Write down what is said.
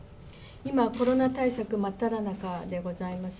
今、コロナ対策真っただ中であります。